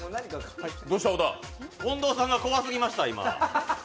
近藤さんが怖すぎました、今。